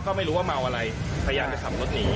ก็ไม่รู้ว่าเมาอะไรพยายามจะขับรถหนี